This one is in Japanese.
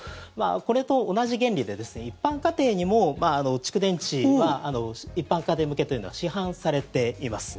これと同じ原理で一般家庭にも蓄電池は一般家庭向けというのは市販されています。